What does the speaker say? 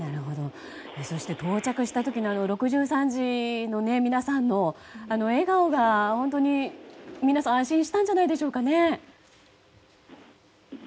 そして、到着した時の６３次の皆さんの笑顔が本当に皆さん、安心したんじゃないでしょうかね。